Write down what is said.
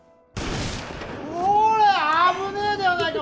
こら危ねえではないか。